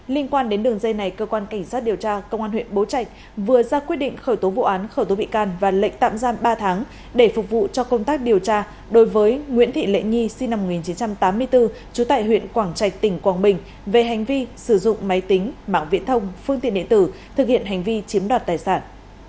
liên quan đến đường dây này cơ quan cảnh sát điều tra công an huyện bố trạch vừa ra quyết định khởi tố vụ án khởi tố bị can và lệnh tạm giam ba tháng để phục vụ cho công tác điều tra đối với nguyễn thị lệ nhi sinh năm một nghìn chín trăm tám mươi bốn trú tại huyện quảng trạch tỉnh quảng bình về hành vi sử dụng máy tính mạng viễn thông phương tiện địa tử thực hiện hành vi chiếm đoạt tài sản